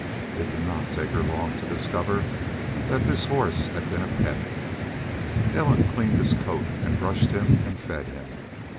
It did not take her long to discover that this horse had been a pet. Ellen cleaned his coat and brushed him and fed him.